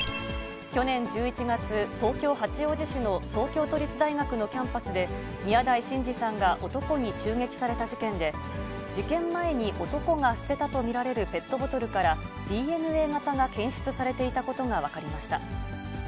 去年１１月、東京・八王子市の東京都立大学のキャンパスで、宮台真司さんが男に襲撃された事件で、事件前に男が捨てたと見られるペットボトルから、ＤＮＡ型が検出されていたことが分かりました。